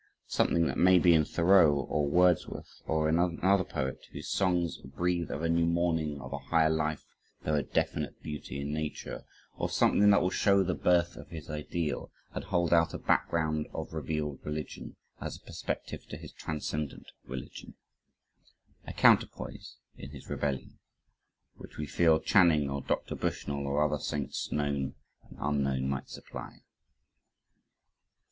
Something that may be in Thoreau or Wordsworth, or in another poet whose songs "breathe of a new morning of a higher life though a definite beauty in Nature" or something that will show the birth of his ideal and hold out a background of revealed religion, as a perspective to his transcendent religion a counterpoise in his rebellion which we feel Channing or Dr. Bushnell, or other saints known and unknown might supply.